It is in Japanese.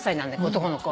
男の子。